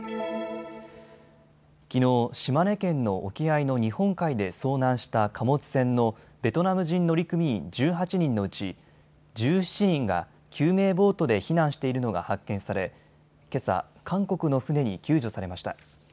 きのう島根県の沖合の日本海で遭難した貨物船のベトナム人乗組員１８人のうち１７人が救命ボートで避難しているのが発見されけさ、韓国の船に救助されました。